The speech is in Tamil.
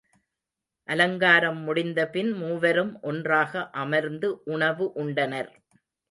அலங்காரம் முடிந்தபின் மூவரும் ஒன்றாக அமர்ந்து உணவு உண்டனர்.